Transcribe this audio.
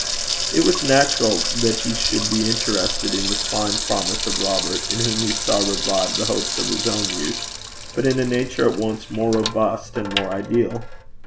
It was natural that he should be interested in the fine promise of Robert, in whom he saw revived the hopes of his own youth, but in a nature at once more robust and more ideal.